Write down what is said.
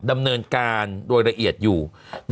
มันติดคุกออกไปออกมาได้สองเดือน